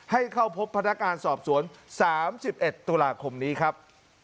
ให้เข้าพบพันธการสอบสวนสามสิบเอ็ดตุลาคมนี้ครับ